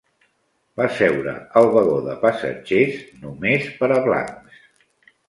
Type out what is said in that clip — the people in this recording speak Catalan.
Va seure al vagó de passatgers "només per a blancs":